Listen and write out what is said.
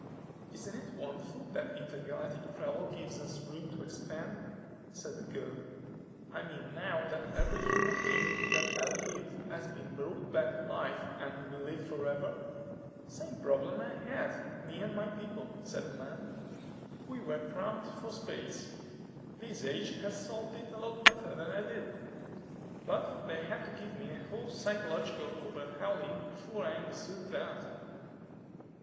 "Isn't it wonderful that intergalactic travel gives us room to expand?" said the girl. "I mean now that every human being that ever lived has been brought back to life and will live forever?" "Same problem I had, me and my people," said the man. "We were cramped for space. This age has solved it a lot better than I did. But they had to give me a whole psychological overhauling before I understood that."